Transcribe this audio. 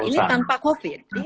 ini tanpa covid